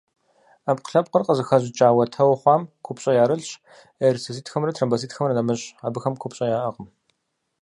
Ӏэпкълъэпкъыр къызыхэщӏыкӏа уэтэу хъуам купщӏэ ярылъщ, эритроцитхэмрэ тромбоцитхэмрэ нэмыщӏ — абыхэм купщӏэ яӏэкъым.